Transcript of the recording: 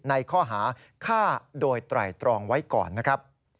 ในข้อหาฆ่าโดยไตรตรองไว้ก่อนนะครับ